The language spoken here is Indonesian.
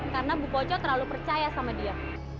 karena bu koco terlalu percaya sama dia